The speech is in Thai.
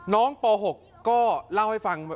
น้องป๖ก็เล่าให้ฟัง